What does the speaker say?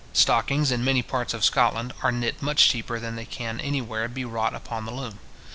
Stockings, in many parts of Scotland, are knit much cheaper than they can anywhere be wrought upon the loom.